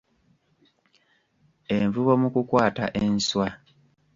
Envubo mu kukwata enswa.